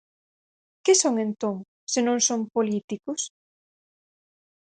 ¿Que son entón, se non son políticos?